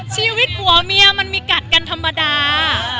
ชีวิตผัวเมียมันมีกัดกันธรรมดา